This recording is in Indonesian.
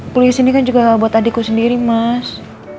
kuliah sini kan juga buat adikku sendiri mas